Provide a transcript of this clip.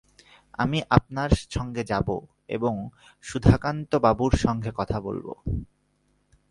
আমি আপনার সঙ্গে যাব এবং সুধাকান্তবাবুর সঙ্গে কথা বলব।